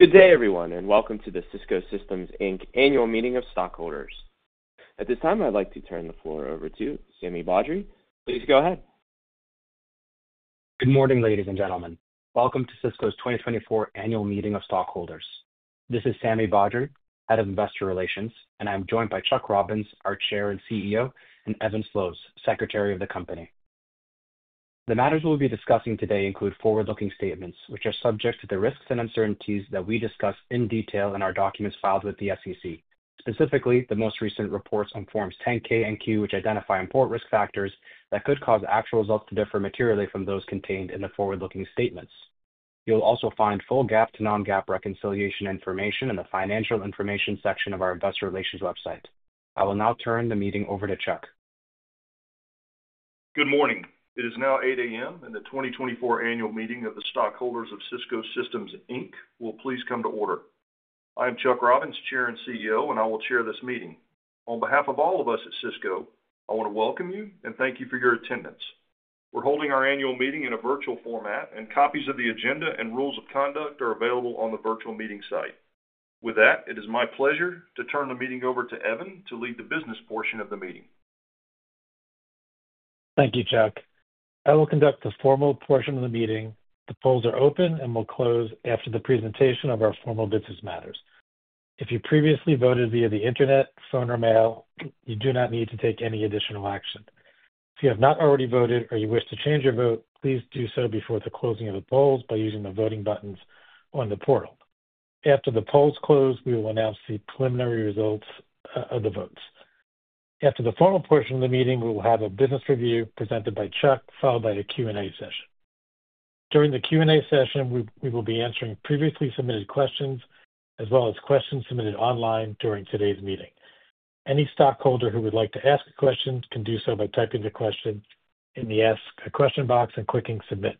Good day, everyone, and welcome to the Cisco Systems, Inc Annual Meeting of Stockholders. At this time, I'd like to turn the floor over to Sami Badri. Please go ahead. Good morning, ladies and gentlemen. Welcome to Cisco's 2024 Annual Meeting of Stockholders. This is Sami Badri, Head of Investor Relations, and I'm joined by Chuck Robbins, our Chair and CEO, and Evan Sloves, Secretary of the company. The matters we'll be discussing today include forward-looking statements, which are subject to the risks and uncertainties that we discuss in detail in our documents filed with the SEC, specifically the most recent reports on Forms 10-K and 10-Q, which identify important risk factors that could cause actual results to differ materially from those contained in the forward-looking statements. You'll also find full GAAP-to-non-GAAP reconciliation information in the financial information section of our Investor Relations website. I will now turn the meeting over to Chuck. Good morning. It is now 8:00 A.M., and the 2024 Annual Meeting of the Stockholders of Cisco Systems, Inc will please come to order. I am Chuck Robbins, Chair and CEO, and I will chair this meeting. On behalf of all of us at Cisco, I want to welcome you and thank you for your attendance. We're holding our annual meeting in a virtual format, and copies of the agenda and rules of conduct are available on the virtual meeting site. With that, it is my pleasure to turn the meeting over to Evan to lead the business portion of the meeting. Thank you, Chuck. I will conduct the formal portion of the meeting. The polls are open and will close after the presentation of our formal business matters. If you previously voted via the internet, phone, or mail, you do not need to take any additional action. If you have not already voted or you wish to change your vote, please do so before the closing of the polls by using the voting buttons on the portal. After the polls close, we will announce the preliminary results of the votes. After the formal portion of the meeting, we will have a business review presented by Chuck, followed by a Q&A session. During the Q&A session, we will be answering previously submitted questions as well as questions submitted online during today's meeting. Any stockholder who would like to ask a question can do so by typing the question in the Ask a Question box and clicking Submit.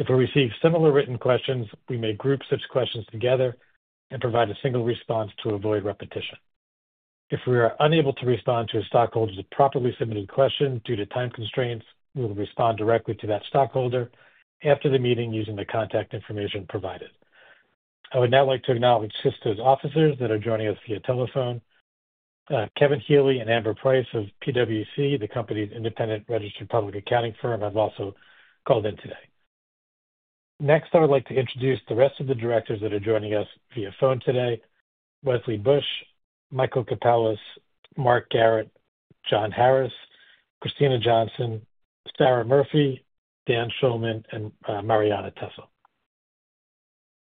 If we receive similar written questions, we may group such questions together and provide a single response to avoid repetition. If we are unable to respond to a stockholder's properly submitted question due to time constraints, we will respond directly to that stockholder after the meeting using the contact information provided. I would now like to acknowledge Cisco's officers that are joining us via telephone. Kevin Healy and Amber Price of PwC, the company's independent registered public accounting firm have also called in today. Next, I would like to introduce the rest of the directors that are joining us via phone today: Wesley Bush, Michael Capellas, Mark Garrett, John Harris, Kristina Johnson, Sarah Murphy, Dan Schulman, and Marianna Tessel.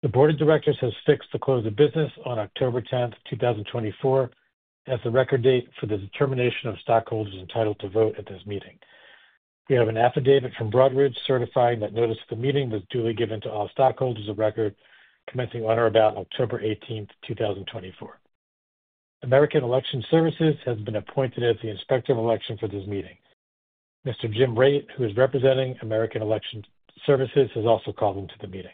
The Board of Directors has fixed the close of business on October 10th, 2024, as the record date for the determination of stockholders entitled to vote at this meeting. We have an affidavit from Broadridge certifying that notice of the meeting was duly given to all stockholders of record commencing on or about October 18th, 2024. American Election Services has been appointed as the inspector of election for this meeting. Mr. Jim Raitt, who is representing American Election Services, has also called into the meeting.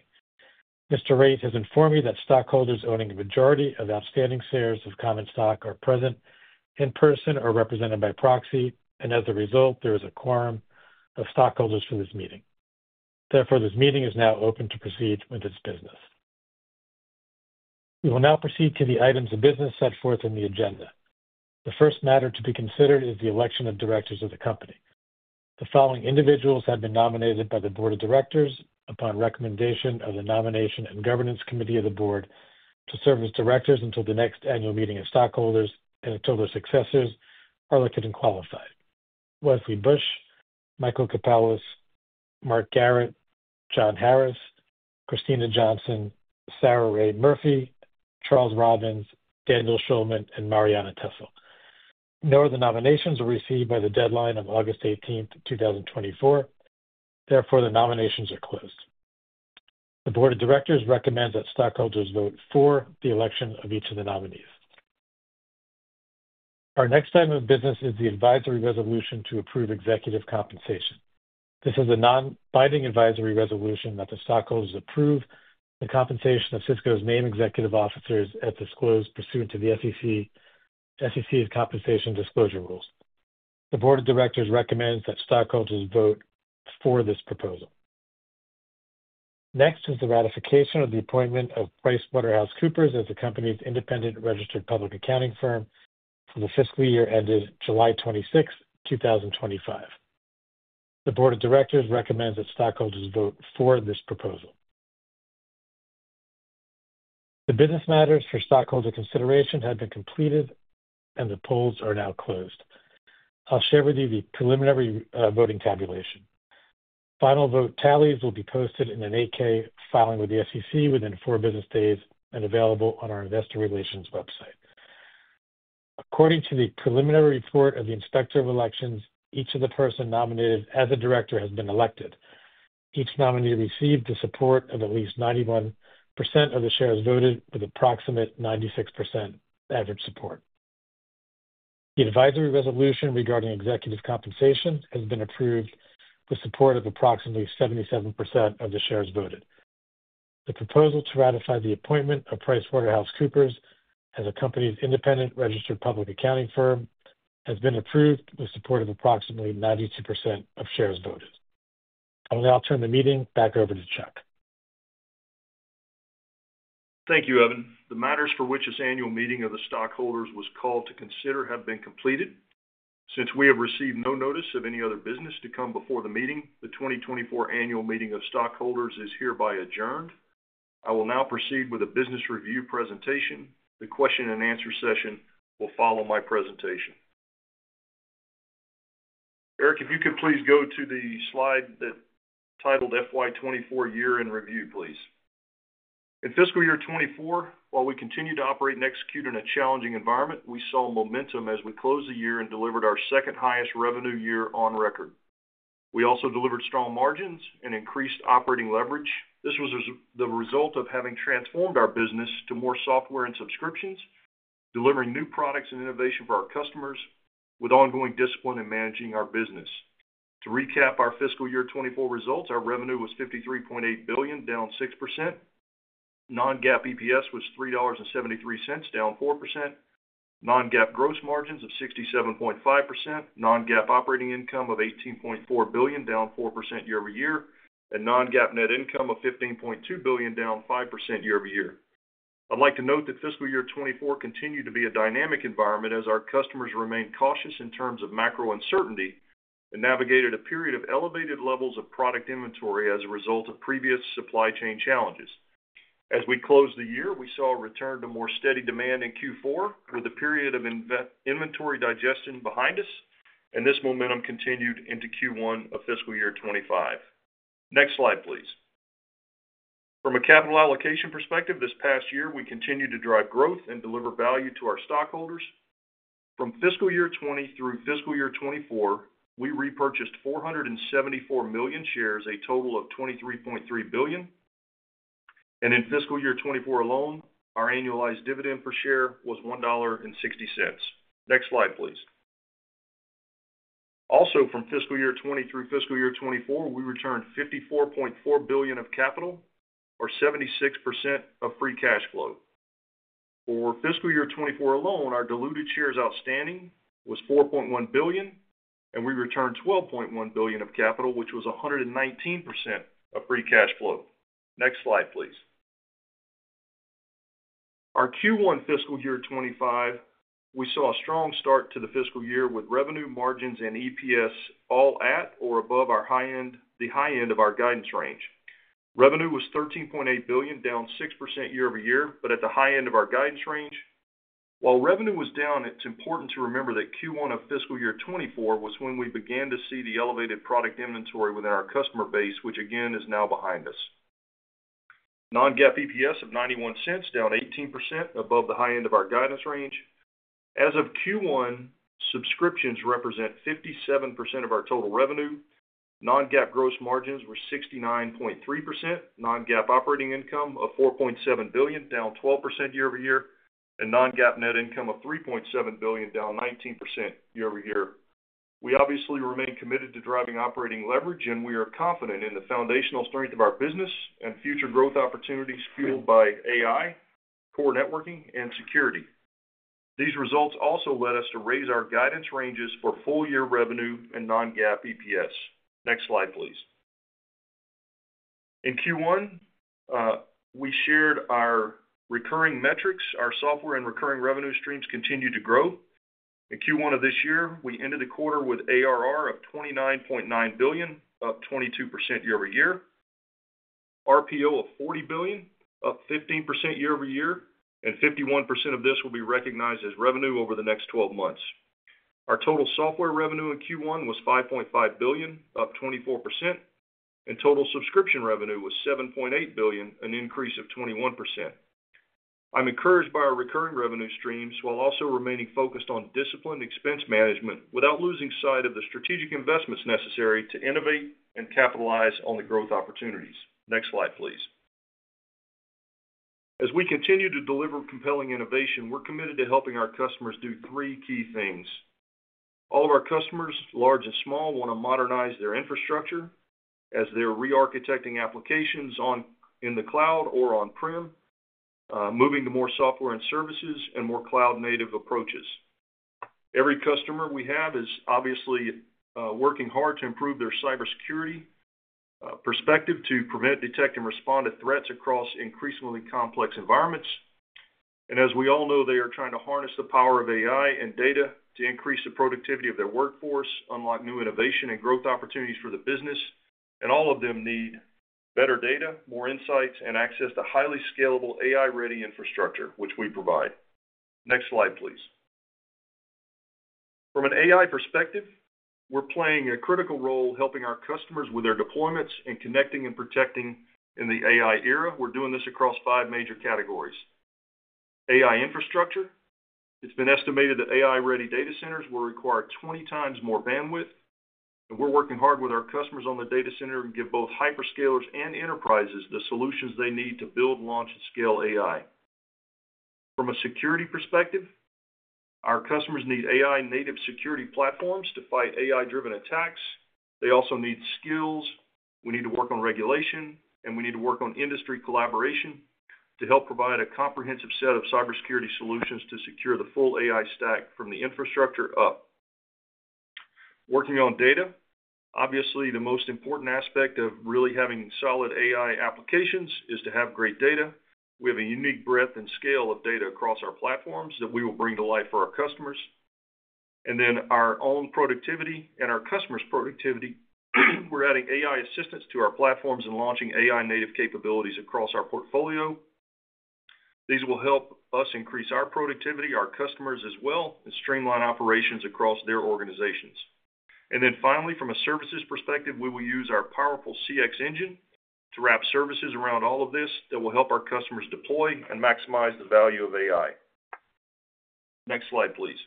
Mr. Raitt has informed me that stockholders owning a majority of outstanding shares of common stock are present in person or represented by proxy, and as a result, there is a quorum of stockholders for this meeting. Therefore, this meeting is now open to proceed with its business. We will now proceed to the items of business set forth in the agenda. The first matter to be considered is the election of directors of the company. The following individuals have been nominated by the Board of Directors upon recommendation of the Nomination and Governance Committee of the Board to serve as directors until the next Annual Meeting of Stockholders and until their successors are elected and qualified: Wesley Bush, Michael Capellas, Mark Garrett, John Harris, Kristina Johnson, Sarah Rae Murphy, Charles Robbins, Daniel Schulman, and Marianna Tessel. No other nominations were received by the deadline of August 18th, 2024. Therefore, the nominations are closed. The Board of Directors recommends that stockholders vote for the election of each of the nominees. Our next item of business is the advisory resolution to approve executive compensation. This is a non-binding advisory resolution that the stockholders approve the compensation of Cisco's main executive officers as disclosed pursuant to the SEC's compensation disclosure rules. The Board of Directors recommends that stockholders vote for this proposal. Next is the ratification of the appointment of PricewaterhouseCoopers as the company's independent registered public accounting firm for the fiscal year ended July 26, 2025. The Board of Directors recommends that stockholders vote for this proposal. The business matters for stockholder consideration have been completed, and the polls are now closed. I'll share with you the preliminary voting tabulation. Final vote tallies will be posted in an 8-K filing with the SEC within four business days and available on our Investor Relations website. According to the preliminary report of the inspector of elections, each of the persons nominated as a director has been elected. Each nominee received the support of at least 91% of the shares voted, with approximate 96% average support. The advisory resolution regarding executive compensation has been approved with support of approximately 77% of the shares voted. The proposal to ratify the appointment of PricewaterhouseCoopers as the company's independent registered public accounting firm has been approved with support of approximately 92% of shares voted. I will now turn the meeting back over to Chuck. Thank you, Evan. The matters for which this Annual Meeting of the Stockholders was called to consider have been completed. Since we have received no notice of any other business to come before the meeting, the 2024 Annual Meeting of Stockholders is hereby adjourned. I will now proceed with a business review presentation. The question-and-answer session will follow my presentation. Eric, if you could please go to the slide titled FY 2024 Year-End Review, please. In fiscal year 2024, while we continued to operate and execute in a challenging environment, we saw momentum as we closed the year and delivered our second-highest revenue year on record. We also delivered strong margins and increased operating leverage. This was the result of having transformed our business to more software and subscriptions, delivering new products and innovation for our customers, with ongoing discipline in managing our business. To recap our fiscal year 2024 results, our revenue was $53.8 billion, down 6%. Non-GAAP EPS was $3.73, down 4%. Non-GAAP gross margins of 67.5%, non-GAAP operating income of $18.4 billion, down 4% year-over-year, and non-GAAP net income of $15.2 billion, down 5% year-over-year. I'd like to note that fiscal year 2024 continued to be a dynamic environment as our customers remained cautious in terms of macro uncertainty and navigated a period of elevated levels of product inventory as a result of previous supply chain challenges. As we closed the year, we saw a return to more steady demand in Q4, with a period of inventory digestion behind us, and this momentum continued into Q1 of fiscal year 2025. Next slide, please. From a capital allocation perspective, this past year, we continued to drive growth and deliver value to our stockholders. From fiscal year 2020 through fiscal year 2024, we repurchased 474 million shares, a total of $23.3 billion. And in fiscal year 2024 alone, our annualized dividend per share was $1.60. Next slide, please. Also, from fiscal year 2020 through fiscal year 2024, we returned $54.4 billion of capital, or 76% of free cash flow. For fiscal year 2024 alone, our diluted shares outstanding was $4.1 billion, and we returned $12.1 billion of capital, which was 119% of free cash flow. Next slide, please. Our Q1 fiscal year 2025, we saw a strong start to the fiscal year with revenue, margins, and EPS all at or above the high end of our guidance range. Revenue was $13.8 billion, down 6% year-over-year, but at the high end of our guidance range. While revenue was down, it's important to remember that Q1 of fiscal year 2024 was when we began to see the elevated product inventory within our customer base, which, again, is now behind us. Non-GAAP EPS of $0.91, down 18% above the high end of our guidance range. As of Q1, subscriptions represent 57% of our total revenue. Non-GAAP gross margins were 69.3%, non-GAAP operating income of $4.7 billion, down 12% year-over-year, and non-GAAP net income of $3.7 billion, down 19% year-over-year. We obviously remain committed to driving operating leverage, and we are confident in the foundational strength of our business and future growth opportunities fueled by AI, core networking, and security. These results also led us to raise our guidance ranges for full-year revenue and non-GAAP EPS. Next slide, please. In Q1, we shared our recurring metrics. Our software and recurring revenue streams continued to grow. In Q1 of this year, we ended the quarter with ARR of $29.9 billion, up 22% year-over-year, RPO of $40 billion, up 15% year-over-year, and 51% of this will be recognized as revenue over the next 12 months. Our total software revenue in Q1 was $5.5 billion, up 24%, and total subscription revenue was $7.8 billion, an increase of 21%. I'm encouraged by our recurring revenue streams while also remaining focused on disciplined expense management without losing sight of the strategic investments necessary to innovate and capitalize on the growth opportunities. Next slide, please. As we continue to deliver compelling innovation, we're committed to helping our customers do three key things. All of our customers, large and small, want to modernize their infrastructure as they're re-architecting applications in the cloud or on-prem, moving to more software and services, and more cloud-native approaches. Every customer we have is obviously working hard to improve their cybersecurity perspective to prevent, detect, and respond to threats across increasingly complex environments. And as we all know, they are trying to harness the power of AI and data to increase the productivity of their workforce, unlock new innovation and growth opportunities for the business. And all of them need better data, more insights, and access to highly scalable AI-ready infrastructure, which we provide. Next slide, please. From an AI perspective, we're playing a critical role helping our customers with their deployments and connecting and protecting in the AI era. We're doing this across five major categories: AI infrastructure. It's been estimated that AI-ready data centers will require 20x more bandwidth. And we're working hard with our customers on the data center and give both hyperscalers and enterprises the solutions they need to build, launch, and scale AI. From a security perspective, our customers need AI-native security platforms to fight AI-driven attacks. They also need skills. We need to work on regulation, and we need to work on industry collaboration to help provide a comprehensive set of cybersecurity solutions to secure the full AI stack from the infrastructure up. Working on data, obviously, the most important aspect of really having solid AI applications is to have great data. We have a unique breadth and scale of data across our platforms that we will bring to life for our customers, and then our own productivity and our customers' productivity. We're adding AI assistants to our platforms and launching AI-native capabilities across our portfolio. These will help us increase our productivity, our customers' as well, and streamline operations across their organizations. And then finally, from a services perspective, we will use our powerful CX engine to wrap services around all of this that will help our customers deploy and maximize the value of AI. Next slide, please.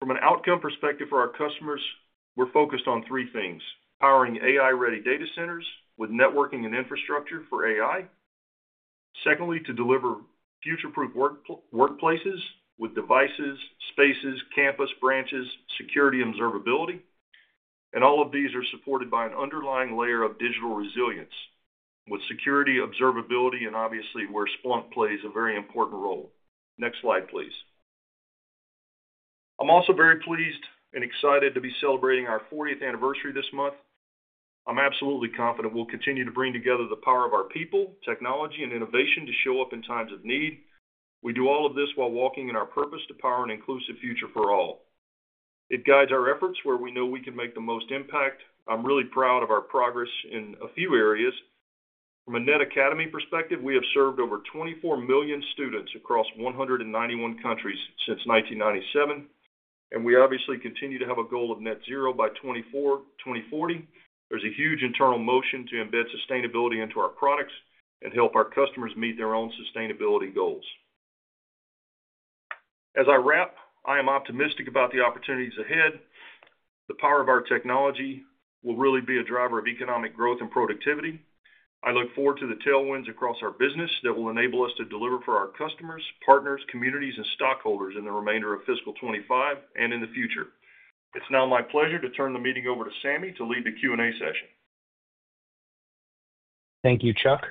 From an outcome perspective for our customers, we're focused on three things: powering AI-ready data centers with networking and infrastructure for AI. Secondly, to deliver future-proof workplaces with devices, spaces, campus, branches, security, observability. And all of these are supported by an underlying layer of digital resilience, with security, observability, and obviously, where Splunk plays a very important role. Next slide, please. I'm also very pleased and excited to be celebrating our 40th anniversary this month. I'm absolutely confident we'll continue to bring together the power of our people, technology, and innovation to show up in times of need. We do all of this while walking in our purpose to power an inclusive future for all. It guides our efforts where we know we can make the most impact. I'm really proud of our progress in a few areas. From a Net Academy perspective, we have served over 24 million students across 191 countries since 1997. And we obviously continue to have a goal of net zero by 2040. There's a huge internal motion to embed sustainability into our products and help our customers meet their own sustainability goals. As I wrap, I am optimistic about the opportunities ahead. The power of our technology will really be a driver of economic growth and productivity. I look forward to the tailwinds across our business that will enable us to deliver for our customers, partners, communities, and stockholders in the remainder of fiscal 2025 and in the future. It's now my pleasure to turn the meeting over to Sami to lead the Q&A session. Thank you, Chuck.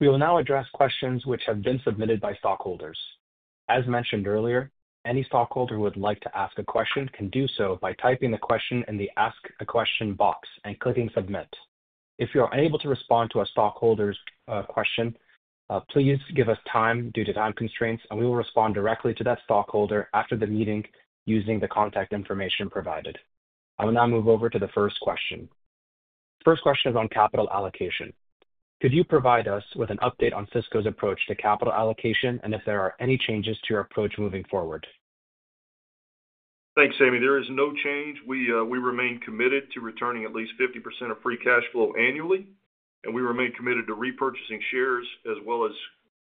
We will now address questions which have been submitted by stockholders. As mentioned earlier, any stockholder who would like to ask a question can do so by typing the question in the Ask a Question box and clicking Submit. If you are unable to respond to a stockholder's question, please give us time due to time constraints, and we will respond directly to that stockholder after the meeting using the contact information provided. I will now move over to the first question. The first question is on capital allocation. Could you provide us with an update on Cisco's approach to capital allocation and if there are any changes to your approach moving forward? Thanks, Sami. There is no change. We remain committed to returning at least 50% of free cash flow annually, and we remain committed to repurchasing shares as well as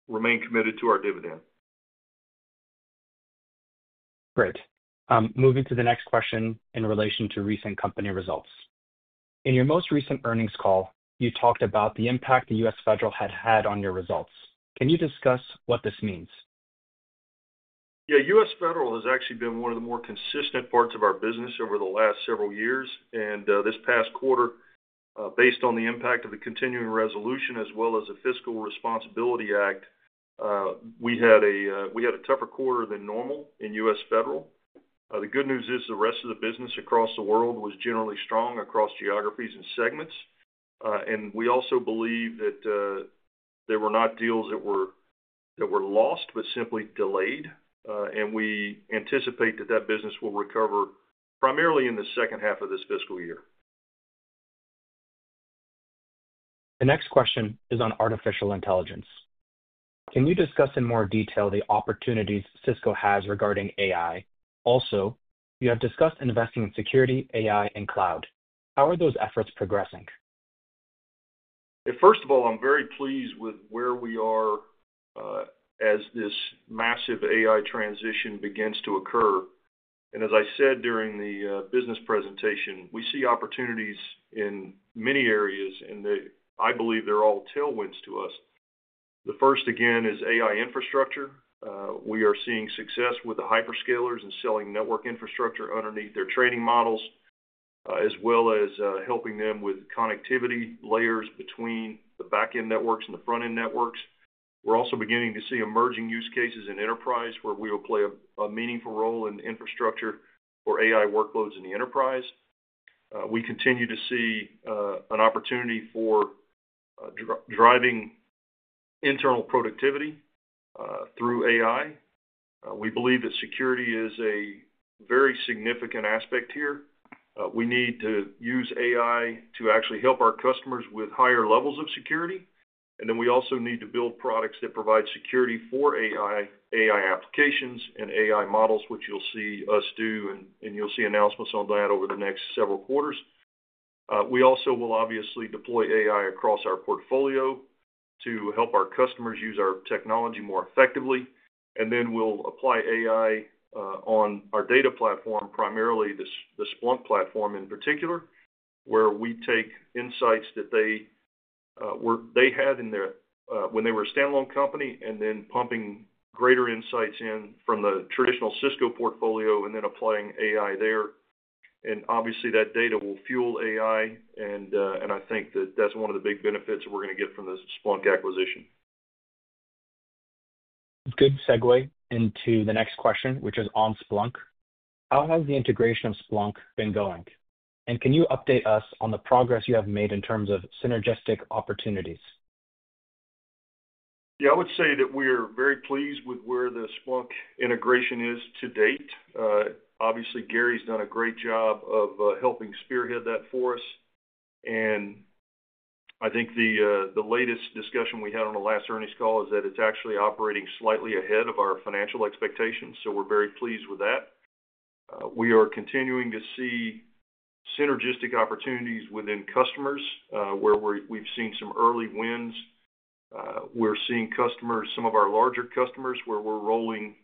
remain committed to our dividend. Great. Moving to the next question in relation to recent company results. In your most recent earnings call, you talked about the impact the U.S. Federal had had on your results. Can you discuss what this means? Yeah. U.S. Federal has actually been one of the more consistent parts of our business over the last several years. And this past quarter, based on the impact of the Continuing Resolution as well as the Fiscal Responsibility Act, we had a tougher quarter than normal in U.S. Federal. The good news is the rest of the business across the world was generally strong across geographies and segments. And we also believe that there were no deals that were lost, but simply delayed. And we anticipate that that business will recover primarily in the second half of this fiscal year. The next question is on artificial intelligence. Can you discuss in more detail the opportunities Cisco has regarding AI? Also, you have discussed investing in security, AI, and cloud. How are those efforts progressing? First of all, I'm very pleased with where we are as this massive AI transition begins to occur. And as I said during the business presentation, we see opportunities in many areas, and I believe they're all tailwinds to us. The first, again, is AI infrastructure. We are seeing success with the hyperscalers and selling network infrastructure underneath their training models, as well as helping them with connectivity layers between the backend networks and the frontend networks. We're also beginning to see emerging use cases in enterprise where we will play a meaningful role in infrastructure for AI workloads in the enterprise. We continue to see an opportunity for driving internal productivity through AI. We believe that security is a very significant aspect here. We need to use AI to actually help our customers with higher levels of security. And then we also need to build products that provide security for AI applications and AI models, which you'll see us do, and you'll see announcements on that over the next several quarters. We also will obviously deploy AI across our portfolio to help our customers use our technology more effectively. And then we'll apply AI on our data platform, primarily the Splunk platform in particular, where we take insights that they had when they were a standalone company and then pumping greater insights in from the traditional Cisco portfolio and then applying AI there. And obviously, that data will fuel AI, and I think that that's one of the big benefits that we're going to get from the Splunk acquisition. Good segue into the next question, which is on Splunk. How has the integration of Splunk been going? And can you update us on the progress you have made in terms of synergistic opportunities? Yeah. I would say that we are very pleased with where the Splunk integration is to date. Obviously, Gary's done a great job of helping spearhead that for us. And I think the latest discussion we had on the last earnings call is that it's actually operating slightly ahead of our financial expectations, so we're very pleased with that. We are continuing to see synergistic opportunities within customers where we've seen some early wins. We're seeing customers, some of our larger customers, where we're rolling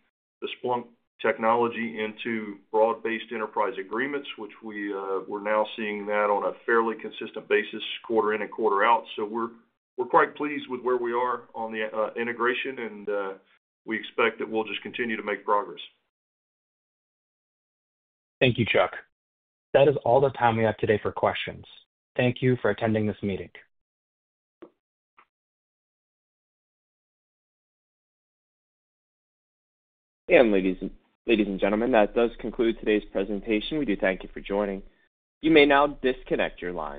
the Splunk technology into broad-based enterprise agreements, which we're now seeing that on a fairly consistent basis, quarter in and quarter out. So we're quite pleased with where we are on the integration, and we expect that we'll just continue to make progress. Thank you, Chuck. That is all the time we have today for questions. Thank you for attending this meeting. And ladies and gentlemen, that does conclude today's presentation. We do thank you for joining. You may now disconnect your line.